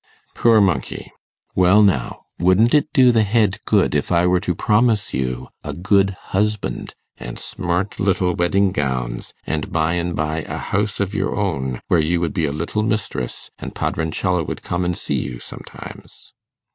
'Poor monkey! Well, now, wouldn't it do the head good if I were to promise you a good husband, and smart little wedding gowns, and by and by a house of your own, where you would be a little mistress, and Padroncello would come and see you sometimes?